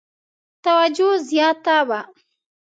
توجه زیاته وه.